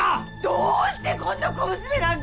どうしてこんな小娘なんかに。